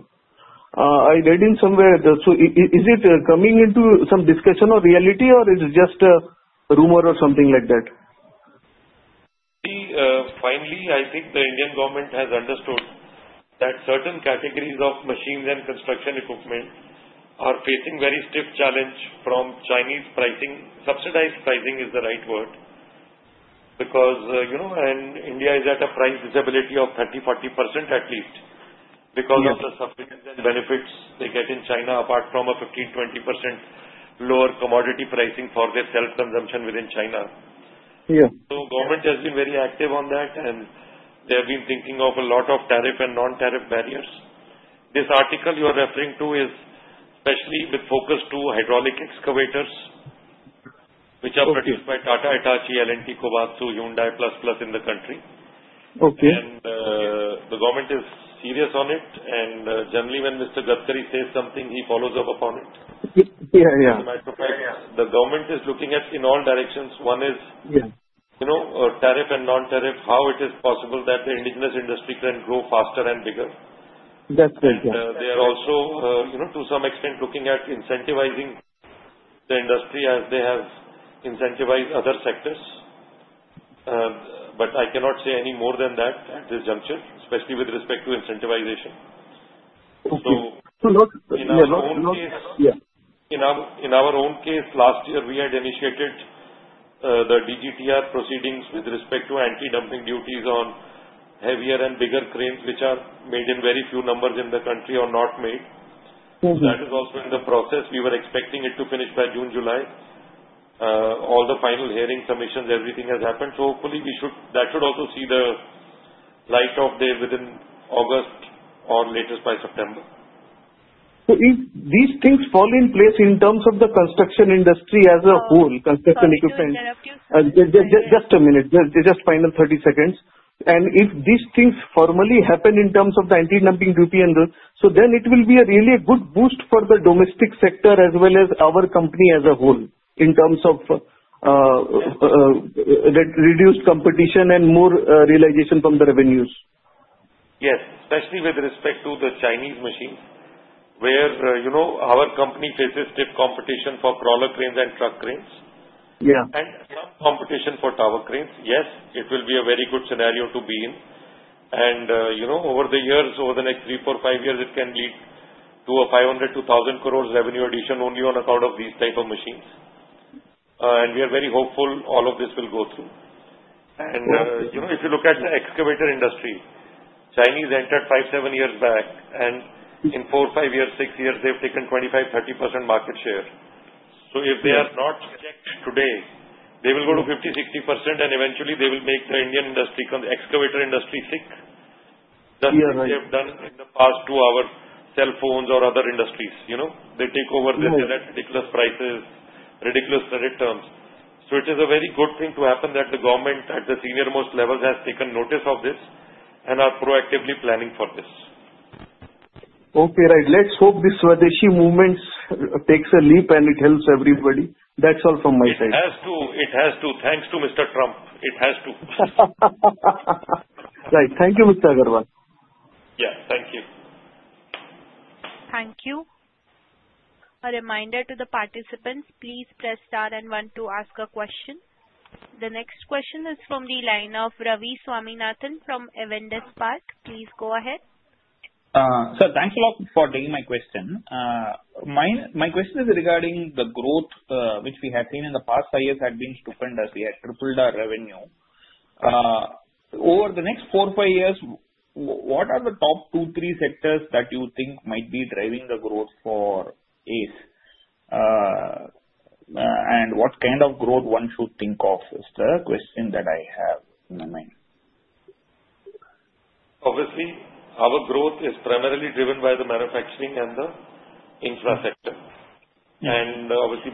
I read somewhere. Is it coming into some discussion or reality, or is it just a rumor or something like that? See, finally, I think the Indian government has understood that certain categories of machines and construction equipment are facing a very stiff challenge from Chinese pricing. Subsidized pricing is the right word because, you know, India is at a price visibility of 30%-40% at least because of the subsidies and benefits they get in China, apart from a 15%-20% lower commodity pricing for their self-consumption within China. Yeah. The government has been very active on that, and they have been thinking of a lot of tariff and non-tariff barriers. This article you're referring to is especially with focus to hydraulic excavators, which are produced by Tata Hitachi, L&T, Komatsu, Hyundai, plus plus in the country. Okay. The government is serious on it. Generally, when Mr. Rajan Luthra says something, he follows up upon it. Yeah, yeah. My profession, the government is looking at in all directions. One is, yeah, you know, tariff and non-tariff, how it is possible that the indigenous industry can grow faster and bigger. That's right, yeah. They are also, to some extent, looking at incentivizing the industry as they have incentivized other sectors. I cannot say any more than that at this juncture, especially with respect to incentivization. Okay. In our own case, last year, we had initiated the DGTR proceedings with respect to anti-dumping duties on heavier and bigger cranes, which are made in very few numbers in the country or not made. That is also in the process. We were expecting it to finish by June, July. All the final hearing submissions, everything has happened. Hopefully, that should also see the light of day within August or latest by September. If these things fall in place in terms of the construction industry as a whole, construction equipment, just a minute, just final 30 seconds. If these things formally happen in terms of the anti-dumping duty, then it will be a really good boost for the domestic sector as well as our company as a whole in terms of reduced competition and more realization from the revenues. Yes, especially with respect to the Chinese machines, where our company faces stiff competition for crawler cranes and truck cranes. Yeah. is some competition for tower cranes. It will be a very good scenario to be in. Over the next three, four, five years, it can lead to an 500 crore-1,000 crore revenue addition only on account of these types of machines. We are very hopeful all of this will go through. If you look at the excavator industry, Chinese entered five, seven years back, and in four, five years, six years, they've taken 25%-30% market share. If they are not sick today, they will go to 50%-60%, and eventually, they will make the Indian industry, the excavator industry, sick. Yeah, right. That they have done in the past to our cell phones or other industries. They take over, they sell at ridiculous prices, ridiculous credit terms. It is a very good thing to happen that the government at the senior most level has taken notice of this and are proactively planning for this. Okay, right. Let's hope this Swadeshi movement takes a leap and it helps everybody. That's all from my side. It has to. Thanks to Mr. Trump. It has to. Right. Thank you, Mr. Agarwal. Yeah, thank you. Thank you. A reminder to the participants, please press star and one to ask a question. The next question is from the line of Ravi Swaminathan from Anand Rathi Share and Stock Brokers Limited. Please go ahead. Sir, thanks a lot for doing my question. My question is regarding the growth, which we had seen in the past five years had been stupendous. We had tripled our revenue. Over the next four or five years, what are the top two, three sectors that you think might be driving the growth for ACE? What kind of growth one should think of is the question that I have in mind. Obviously, our growth is primarily driven by the manufacturing and the infrastructure.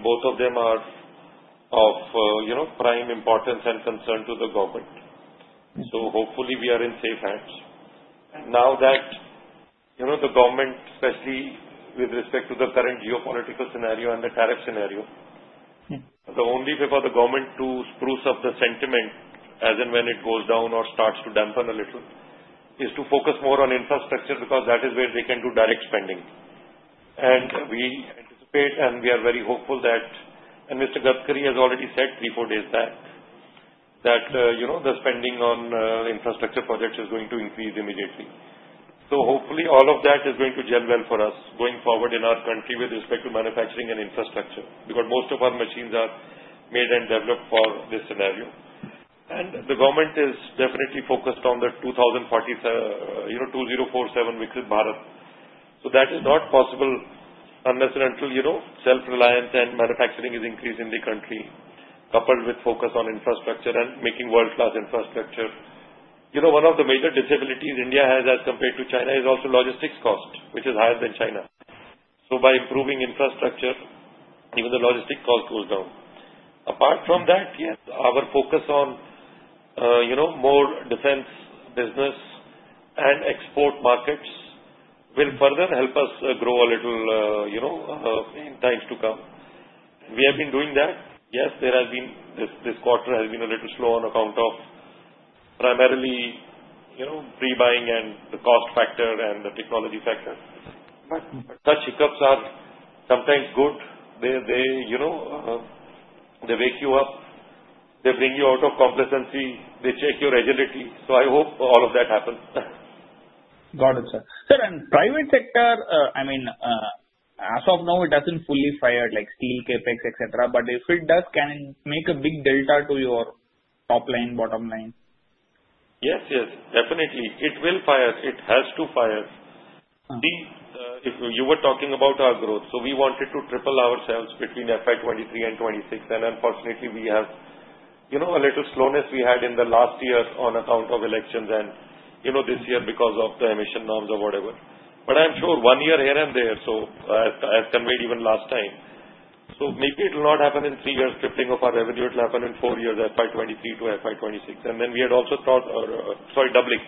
Both of them are of prime importance and concern to the government. Hopefully, we are in safe hands. Now that the government, especially with respect to the current geopolitical scenario and the tariff scenario, the only way for the government to spruce up the sentiment as and when it goes down or starts to dampen a little is to focus more on infrastructure because that is where they can do direct spending. We anticipate and we are very hopeful that, and Mr. Gaskari has already said three, four days back that the spending on infrastructure projects is going to increase immediately. Hopefully, all of that is going to gel well for us going forward in our country with respect to manufacturing and infrastructure because most of our machines are made and developed for this scenario. The government is definitely focused on the 2047, you know, 2047 bar. That is not possible unless and until self-reliance and manufacturing is increased in the country, coupled with focus on infrastructure and making world-class infrastructure. One of the major disabilities India has as compared to China is also logistics cost, which is higher than China. By improving infrastructure, even the logistic cost goes down. Apart from that, yes, our focus on more defense business and export markets will further help us grow a little in times to come. We have been doing that. Yes, this quarter has been a little slow on account of primarily pre-buying and the cost factor and the technology factor. Such hiccups are sometimes good. They wake you up. They bring you out of competency. They check your agility. I hope all of that happens. Got it, sir. Sir, in private sector, I mean, as of now, it doesn't fully fire like steel, CAPEX, etc. If it does, can it make a big delta to your top line, bottom line? Yes, yes, definitely. It will fire. It has to fire. See, if you were talking about our growth, we wanted to triple ourselves between FY 2023 and FY 2026. Unfortunately, we have a little slowness we had in the last year on account of elections, and this year because of the emission norms or whatever. I'm sure one year here and there, as conveyed even last time, maybe it will not happen in three years, tripling of our revenue. It will happen in four years, FY 2023 to FY 2026. We had also thought, sorry, doubling.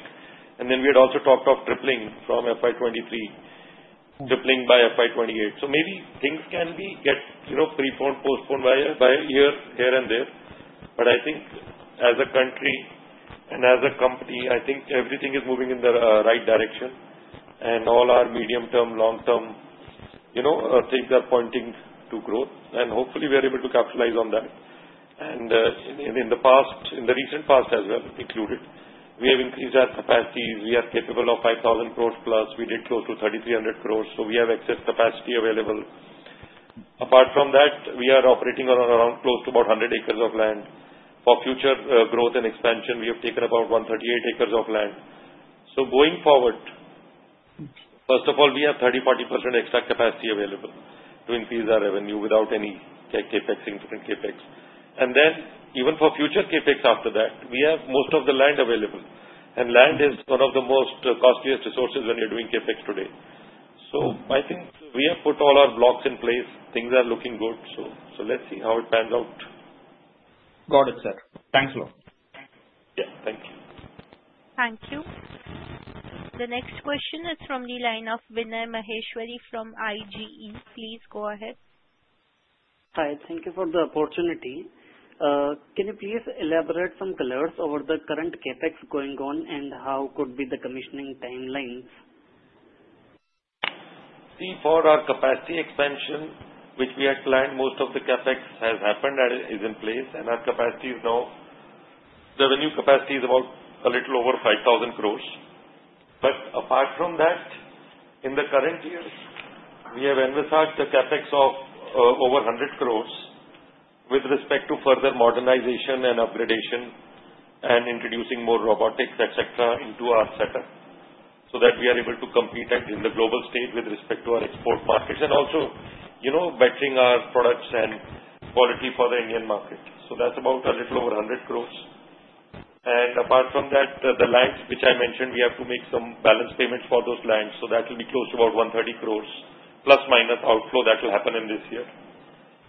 We had also talked of tripling from FY 2023, tripling by FY 2028. Maybe things can be kept postponed by a year here and there. I think as a country and as a company, everything is moving in the right direction. All our medium term, long term things are pointing to growth. Hopefully, we are able to capitalize on that. In the past, in the recent past as well, we have increased our capacities. We are capable of +5,000 crore. We did close to 3,300 crore. We have excess capacity available. Apart from that, we are operating on around close to about 100 acres of land. For future growth and expansion, we have taken about 138 acres of land. Going forward, first of all, we have 30%-40% extra capacity available to increase our revenue without any CapEx, infinite CapEx. Even for future CapEx after that, we have most of the land available. Land is one of the most costliest resources when you're doing CapEx today. I think we have put all our blocks in place. Things are looking good. Let's see how it pans out. Got it, sir. Thanks a lot. Yeah, thank you. Thank you. The next question is from the line of Vinay Maheshwari from IGE. Please go ahead. Sir, thank you for the opportunity. Can you please elaborate some colors over the current CAPEX going on and how could be the commissioning timelines? See, for our capacity expansion, which we had planned, most of the CAPEX has happened and is in place. Our capacity is now, the revenue capacity is about a little over 5,000 crore. Apart from that, in the current year, we have envisaged a CAPEX of over 100 crore with respect to further modernization and upgradation and introducing more robotics, etc., into our setup so that we are able to compete in the global stage with respect to our export market and also, you know, batching our products and quality for the Indian market. That's about a little over 100 crore. Apart from that, the lands, which I mentioned, we have to make some balance payments for those lands. That will be close to about 130 crore plus minus outflow that will happen in this year.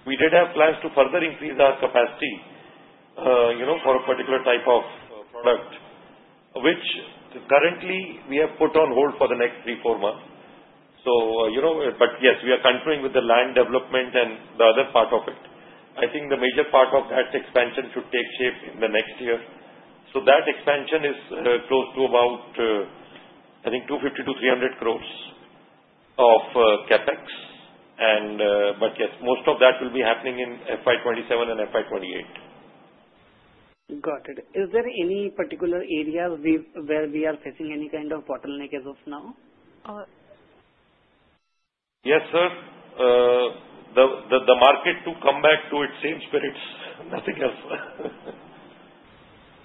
We did have plans to further increase our capacity, you know, for a particular type of product, which currently we have put on hold for the next three, four months. Yes, we are continuing with the land development and the other part of it. I think the major part of that expansion should take shape in the next year. That expansion is close to about, I think, 250 crore-300 crore of CAPEX. Most of that will be happening in FY 2027 and FY 2028. Got it. Is there any particular area where we are facing any kind of bottleneck as of now? Yes, sir. The market to come back to its same spirits, nothing else.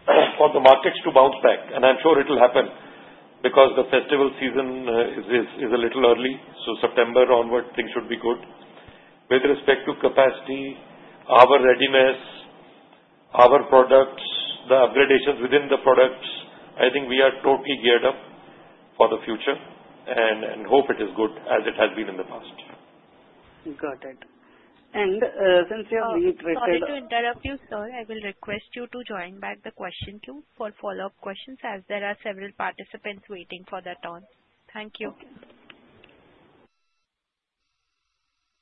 Of course, the markets to bounce back. I'm sure it'll happen because the festival season is a little early. September onward, things should be good. With respect to capacity, our readiness, our products, the upgradations within the products, I think we are totally geared up for the future and hope it is good as it has been in the past. Got it. Since we are on the. Sorry to interrupt you, sir. I will request you to join back the question queue for follow-up questions as there are several participants waiting for that. Thank you.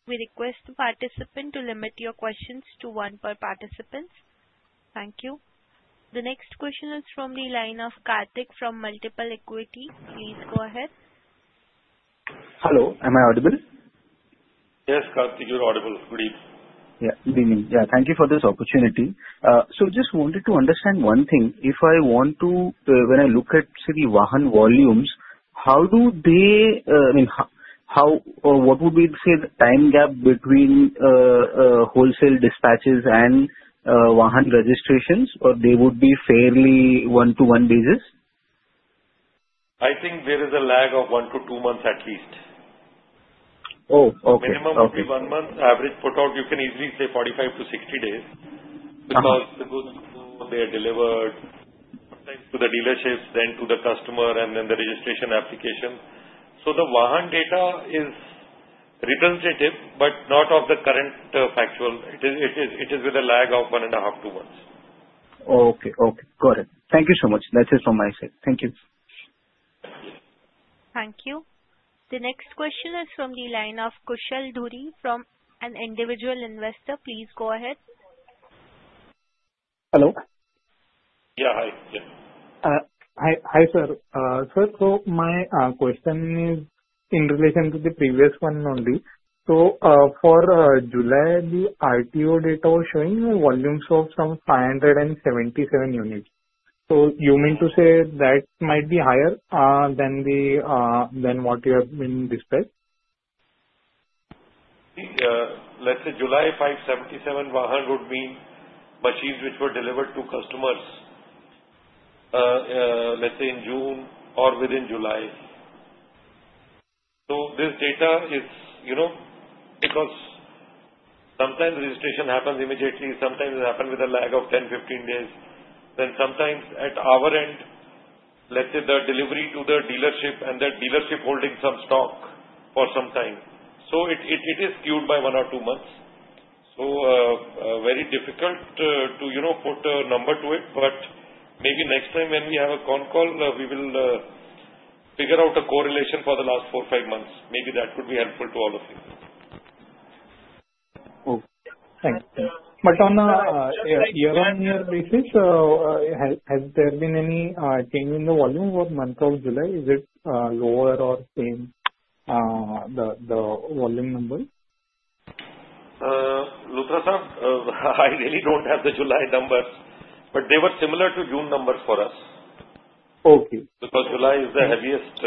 We request participants to limit your questions to one per participant. Thank you. The next question is from the line of Karthik from Multiple Equity. Please go ahead. Hello. Am I audible? Yes, Karthik, you're audible. Good evening. Good evening. Thank you for this opportunity. I just wanted to understand one thing. If I want to, when I look at, say, the Vahan volumes, how do they, I mean, how or what would be the same time gap between wholesale dispatches and Vahan registrations, or would they be fairly one-to-one basis? I think there is a lag of one to two months at least. Oh, okay. Minimum would be one month. Average put out, you can easily say 45-60 days because it goes through, they are delivered sometimes to the dealerships, then to the customer, and then the registration application. The Vahan data is representative, but not of the current factual. It is with a lag of one and a half, two months. Oh, okay. Okay. Got it. Thank you so much. That's it from my side. Thank you. Thank you. The next question is from the line of Kushal Duri from an individual investor. Please go ahead. Hello? Yeah, hi. Hi, sir. My question is in relation to the previous one only. For July, the RTO data was showing volumes of some 577 units. You mean to say that might be higher than what you have discussed? Let's say July 577, Wahan would mean machines which were delivered to customers, let's say in June or within July. This data is, you know, because sometimes registration happens immediately, sometimes it happens with a lag of 10 or 15 days. Sometimes at our end, the delivery to the dealership and the dealership holding some stock for some time, it is skewed by one or two months. It is very difficult to, you know, put a number to it. Maybe next time when we have a con call, we will figure out a correlation for the last four or five months. Maybe that could be helpful to all of you. Thanks. On a year-on-year basis, has there been any change in the volume for the month of July? Is it lower or same? The volume numbers. Luthra sir, I really don't have the July numbers, but they were similar to June numbers for us. Okay. July is the heaviest,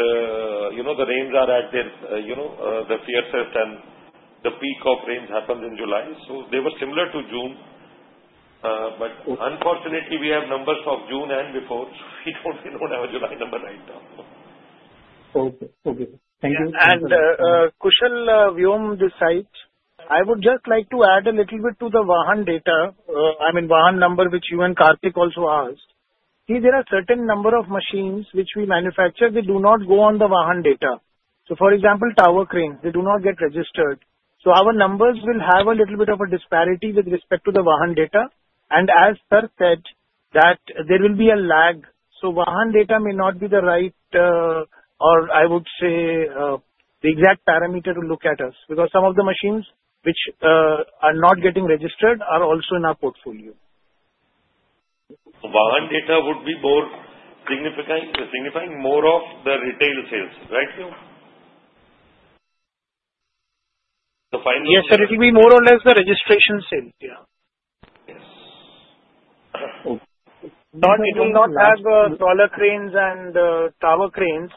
you know, the rains are at their, you know, the fiercest and the peak of rains happens in July. They were similar to June. Unfortunately, we have numbers of June and before. We don't have a July number right now. Okay. Thank you. Kushal Vyom, this side, I would just like to add a little bit to the Vahan data. I mean, Vahan number, which you and Karthik also asked. There are a certain number of machines which we manufacture. They do not go on the Vahan data. For example, tower cranes do not get registered. Our numbers will have a little bit of a disparity with respect to the Vahan data. As sir said, there will be a lag. Vahan data may not be the right, or I would say, the exact parameter to look at us because some of the machines which are not getting registered are also in our portfolio. Vahan data would be signifying more of the retail sales, right? Yes, sir. It will be more or less the registration sales. We do not have crawler cranes and tower cranes.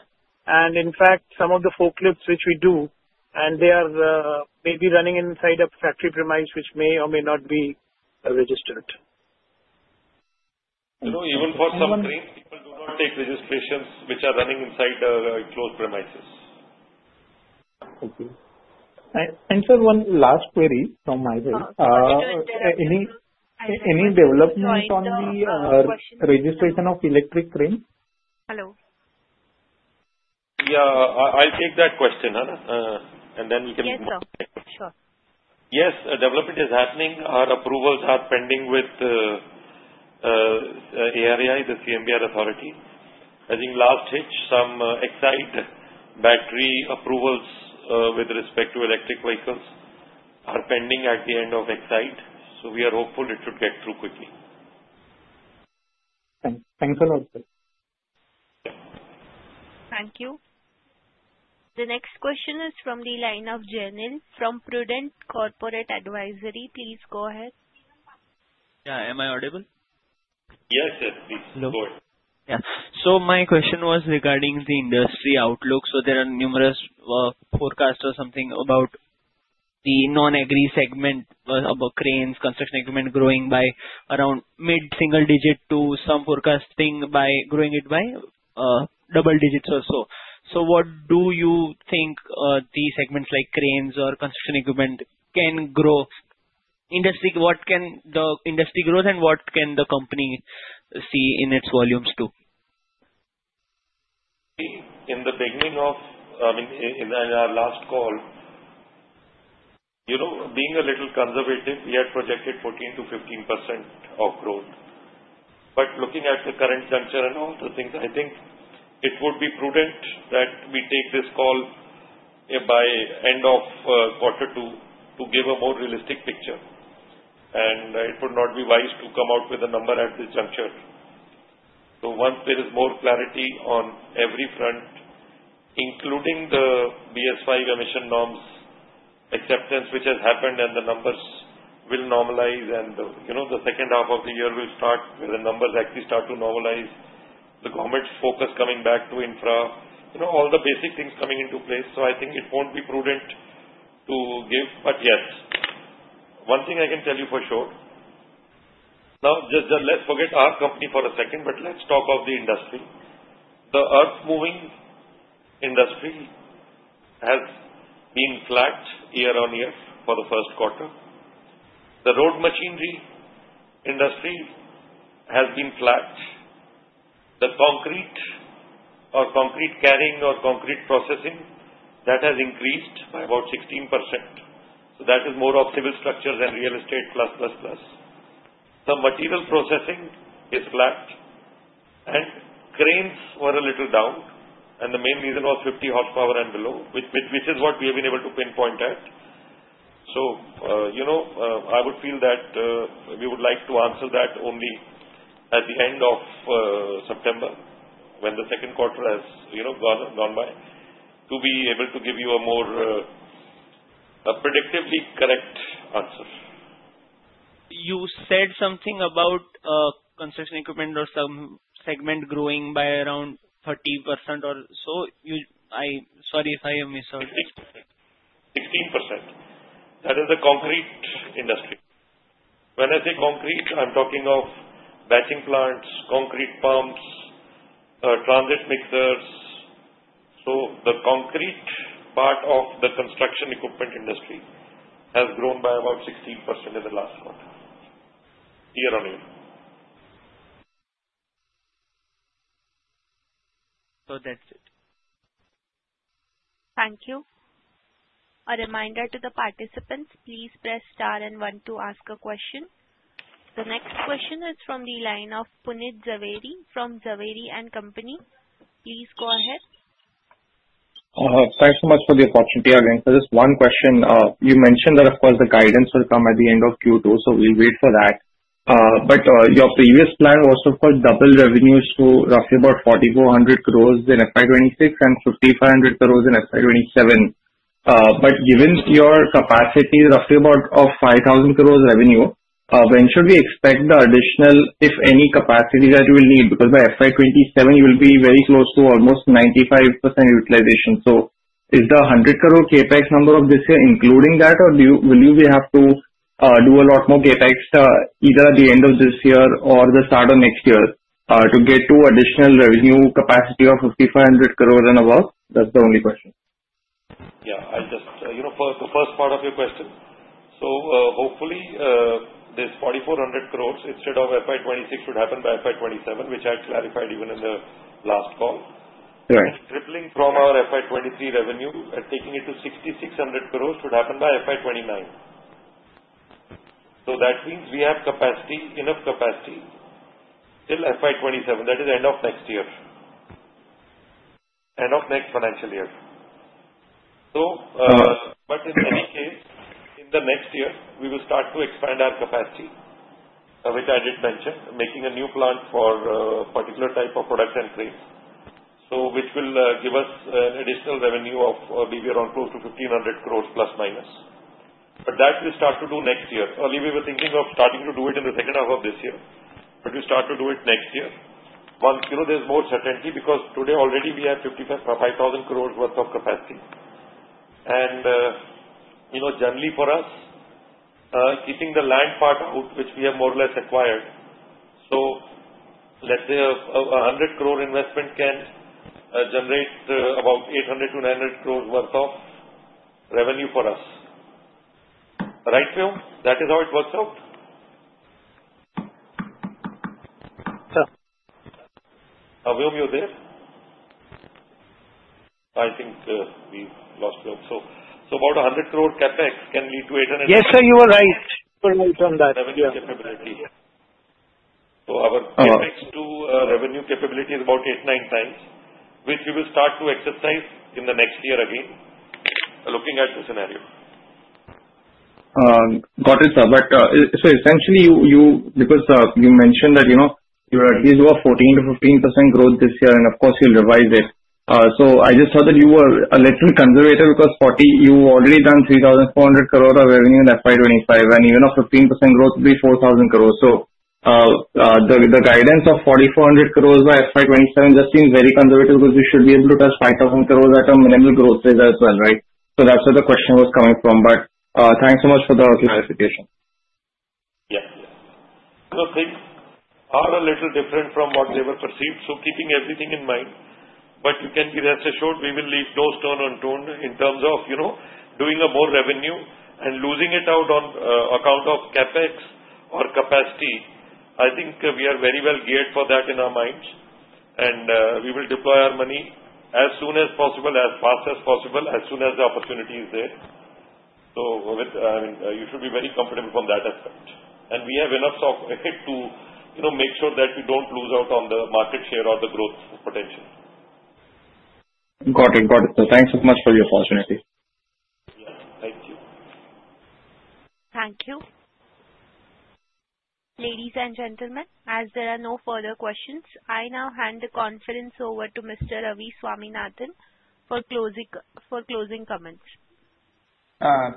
In fact, some of the forklifts which we do, and they are maybe running inside a factory premise, which may or may not be registered. You know, even for some cranes, people do not take registrations, which are running inside closed premises. Okay. Sir, one last query from my side. Any development on the registration of electric crane? Hello. I'll take that question, and then we can. Yes, sir. Sure. Yes, a development is happening. Our approvals are pending with AREI, the CMBR authority. I think last hit, some Exide battery approvals with respect to electric vehicles are pending at the end of Exide. We are hopeful it should get through quickly. Thanks a lot. Thank you. The next question is from the line of Jinal from Prudent Corporate Advisory. Please go ahead. Yeah, am I audible? Yes, sir. Please go ahead. Yeah, my question was regarding the industry outlook. There are numerous forecasts about the non-agri segment of cranes, construction equipment growing by around mid-single digit to some forecasting it growing by double digits or so. What do you think the segments like cranes or construction equipment can grow? What can the industry growth and what can the company see in its volumes too? See, in the beginning of, I mean, in our last call, you know, being a little conservative, we had projected 14%-15% of growth. Looking at the current juncture and all the things, I think it would be prudent that we take this call by the end of quarter two to give a more realistic picture. It would not be wise to come out with a number at this juncture. Once there is more clarity on every front, including the CEV Stage V/BS V emission norms acceptance, which has happened, the numbers will normalize. You know, the second half of the year will start where the numbers actually start to normalize. The government's focus coming back to infra, you know, all the basic things coming into place. I think it won't be prudent to give. Yes, one thing I can tell you for sure. Now, just let's forget our company for a second, but let's talk of the industry. The earth-moving industry has been flat year on year for the first quarter. The road machinery industry has been flat. The concrete or concrete carrying or concrete processing, that has increased by about 16%. That is more of civil structures and real estate plus plus plus. The material processing is flat. Cranes were a little down. The main reason was 50 horsepower and below, which is what we have been able to pinpoint at. I would feel that we would like to answer that only at the end of September when the second quarter has, you know, gone by to be able to give you a more predictively correct answer. You said something about construction equipment or some segment growing by around 30% or so. I'm sorry if I misheard. 16%. That is the concrete industry. When I say concrete, I'm talking of batching plants, concrete pumps, transit mixers. The concrete part of the construction equipment industry has grown by about 16% in the last quarter, year on year. That's it. Thank you. A reminder to the participants, please press star and one to ask a question. The next question is from the line of Puneet Jaweri from Zaweri and Company. Please go ahead. Thanks so much for the opportunity again. Just one question. You mentioned that, of course, the guidance will come at the end of Q2. We'll wait for that. Your previous plan was to put double revenues to roughly about 4,400 crore in FY 2026 and 5,500 crore in FY 2027. Given your capacity, roughly about 5,000 crore revenue, when should we expect the additional, if any, capacity that you will need? By FY 2027, you will be very close to almost 95% utilization. Is the 100 crore CAPEX number of this year including that, or will you have to do a lot more CAPEX either at the end of this year or the start of next year to get to additional revenue capacity of 5,500 crore and above? That's the only question. Yeah, for the first part of your question, hopefully, this 4,400 crore instead of FY 2026 should happen by FY 2027, which I clarified even in the last call. Right. Tripling from our FY 2023 revenue and taking it to 6,600 crore would happen by FY 2029. That means we have enough capacity till FY 2027, that is, end of next year, end of next financial year. In any case, in the next year, we will start to expand our capacity, which I did mention, making a new plant for a particular type of products and cranes. This will give us an additional revenue of maybe around close to ±1,500 crore. We will start to do that next year. Earlier, we were thinking of starting to do it in the second half of this year, but we will start to do it next year once there is more certainty because today already we have 5,000 crore worth of capacity. Generally for us, keeping the land part out, which we have more or less acquired, a 100 crore investment can generate about 800 crore-900 crore worth of revenue for us. Right now, that is how it works out. Sir. Vyom, you're there? Go ahead. I think we lost hope. About 100 crore CAPEX can lead to 800 crore. Yes, sir, you were right. Revenue capability, yeah. Our CAPEX to revenue capability is about 8-9 times, which we will start to exercise in the next year again, looking at the scenario. Got it, sir. Essentially, you mentioned that you're at least about 14%-15% growth this year, and of course, you'll revise it. I just heard that you were a little conservative because you've already done 3,400 crore of revenue in FY 2025, and even a 15% growth would be 4,000 crore. The guidance of 4,400 crore by FY 2027 just seems very conservative because you should be able to touch 5,000 crore at a minimal growth rate as well, right? That's where the question was coming from. Thanks so much for the clarification. Yeah, things are a little different from what they were perceived. Keeping everything in mind, you can be assured we will leave no stone unturned in terms of doing more revenue and not losing out on account of CAPEX or capacity. I think we are very well geared for that in our minds, and we will deploy our money as soon as possible, as fast as possible, as soon as the opportunity is there. You should be very comfortable from that aspect. We have enough of it to make sure that we don't lose out on the market share or the growth potential. Got it, got it. Thanks so much for your opportunity. Yeah, thank you. Thank you. Ladies and gentlemen, as there are no further questions, I now hand the conference over to Mr. Rajan Luthra for closing comments.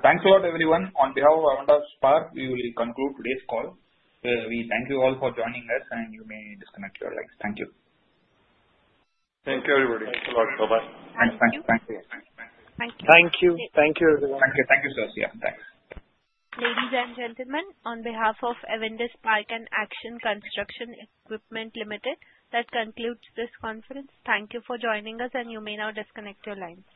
Thanks a lot, everyone. On behalf of Avindesh Parks, we will conclude today's call. We thank you all for joining us, and you may disconnect your lines. Thank you. Thank you, everybody. Thanks a lot. Bye-bye. Thank you, everyone. Thank you, sir. Yeah, thanks. Ladies and gentlemen, on behalf of Avindesh Parks and Action Construction Equipment Limited, that concludes this conference. Thank you for joining us, and you may now disconnect your lines.